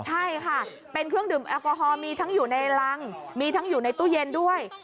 ใช่ค่ะเป็นเครื่องดื่มแอลกอฮอลมีทั้งอยู่ในรังมีทั้งอยู่ในตู้เย็นด้วย